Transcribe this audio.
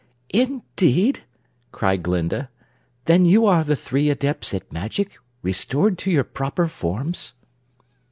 "Indeed!" cried Glinda. "Then you are the three Adepts at Magic, restored to your proper forms?"